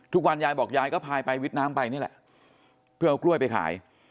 ยายบอกยายก็พายไปวิทย์น้ำไปนี่แหละเพื่อเอากล้วยไปขาย